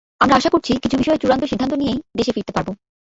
আমরা আশা করছি, কিছু বিষয়ে চূড়ান্ত সিদ্ধান্ত নিয়েই দেশে ফিরতে পারব।